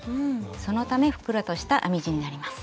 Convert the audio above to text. そのためふっくらとした編み地になります。